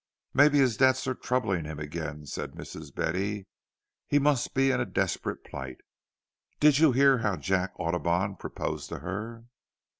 "Maybe his debts are troubling him again," said Mistress Betty. "He must be in a desperate plight.—Did you hear how Jack Audubon proposed to her?"